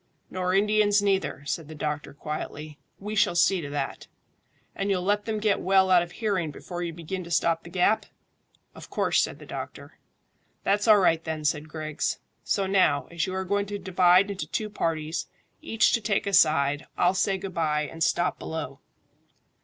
"Nor Indians neither," said the doctor quietly. "We shall see to that." "And you'll let them get well out of hearing before you begin to stop the gap?" "Of course," said the doctor. "That's all right, then," said Griggs. "So now, as you are going to divide into two parties, each to take a side, I'll say good bye and stop below."